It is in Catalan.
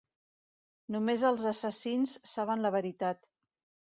Només els assassins saben la veritat.